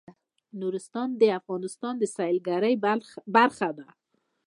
نورستان د افغانستان د سیلګرۍ برخه ده.